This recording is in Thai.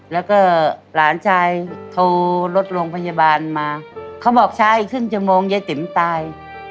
แล้วก็หลานชายโทรรถโรงพยาบาลมาเขาบอกช้าอีกครึ่งชั่วโมงยายติ๋มตาย